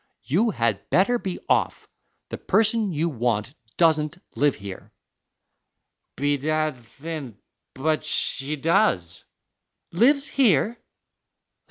You had better be off; the person you want doesn't live here." "Bedad, thin, but she does." "Lives here?"